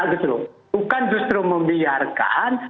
bukan justru membiarkan